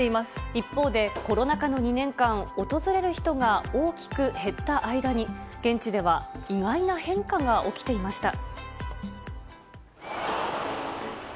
一方で、コロナ禍の２年間、訪れる人が大きく減った間に、現地では意外な変化が起きていました。